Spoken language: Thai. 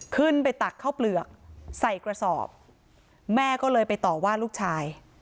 ตักข้าวเปลือกใส่กระสอบแม่ก็เลยไปต่อว่าลูกชาย